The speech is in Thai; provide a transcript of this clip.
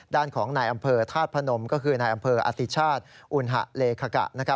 ด้านของนายอำเภอธาตุพนมก็คือนายอำเภออติชาติอุณหะเลคกะ